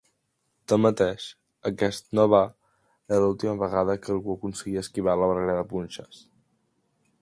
Tanmateix, aquest no va era l'última vegada que algú aconseguia esquivar la barrera de punxes.